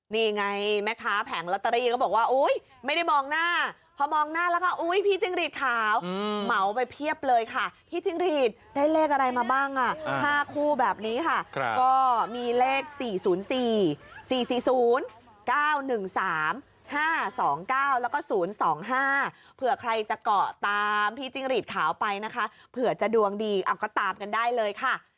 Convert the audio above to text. นี่ไงแม่ค้าแผงลอตเตอรี่ก็บอกว่าอุ๊ยไม่ได้มองหน้าพอมองหน้าแล้วก็อุ๊ยพี่จิ้งรีดขาวเหมาไปเพียบเลยค่ะพี่จิ้งรีดได้เลขอะไรมาบ้าง๕คู่แบบนี้ค่ะก็มีเลข๔๐๔๔๔๐๙๑๓๕๒๙แล้วก็๐๒๕เผื่อใครจะเกาะตามพี่จิ้งหรีดขาวไปนะคะเผื่อจะดวงดีเอาก็ตามกันได้เลยค่ะ